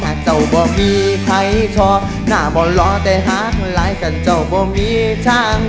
หากเจ้าบ่มีใครทอหน้าบ่ล้อแต่หากร้ายกันเจ้าบ่มีทาง